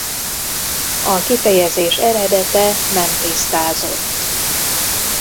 A kifejezés eredete nem tisztázott.